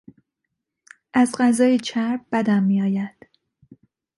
از غذای چرب بدم میآید.